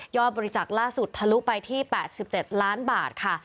บริจักษ์ล่าสุดทะลุไปที่๘๗ล้านบาทค่ะ